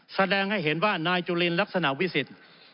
แสดงให้เห็นว่านายจุลินลักษณะวิสิทธิ์